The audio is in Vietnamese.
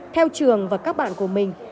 theo trường và các bạn của mình